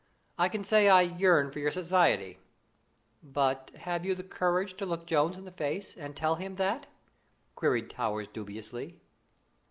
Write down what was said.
I can say I yearn for your society." "But have you the courage to look Jones in the face and tell him that?" queried Towers dubiously.